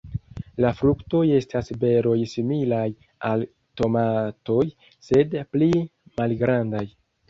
La fruktoj estas beroj similaj al tomatoj, sed pli malgrandaj.